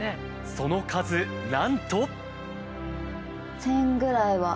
その数なんと。